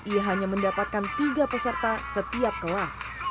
ia hanya mendapatkan tiga peserta setiap kelas